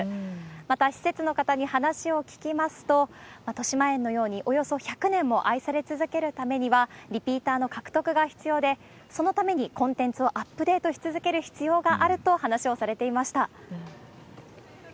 また、施設の方に話を聞きますと、としまえんのようにおよそ１００年も愛され続けるためには、リピーターの獲得が必要で、そのためにコンテンツをアップデートし続ける必要があると話をされていました。